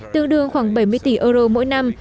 tương đương khoảng bảy mươi tỷ euro mỗi năm